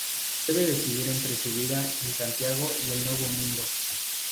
Debe decidir entre su vida en Santiago y el nuevo mundo.